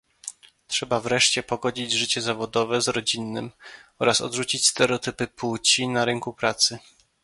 Trzeba wreszcie pogodzić życie zawodowe z rodzinnym oraz odrzucić stereotypy płci na rynku pracy